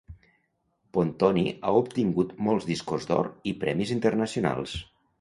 Pontoni ha obtingut molts discos d'or i premis internacionals.